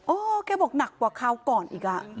แกบอกหนักกว่าคราวก่อนอีก